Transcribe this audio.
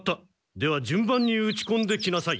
ではじゅん番に打ちこんできなさい！